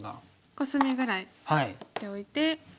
コスミぐらい打っておいて。